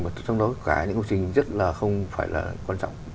mà trong đó cả những công trình rất là không phải là quan trọng